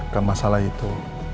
gak masalah itu